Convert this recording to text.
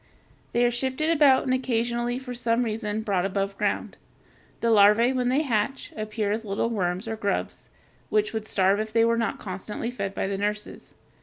They are shifted about and occasionally for some reason brought above ground. The larvæ, when they hatch (Fig. 246), appear as little worms, or grubs, which would starve if they were not constantly fed by the nurses.